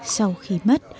sau khi mất